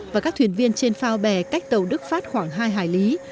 và các thuyền viên trên phao bè cách tàu đức phát khoảng hai hải lý